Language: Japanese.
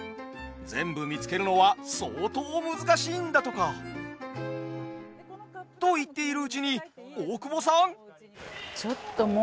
全部見つけるのは相当難しいんだとか。と言っているうちに大久保さん！？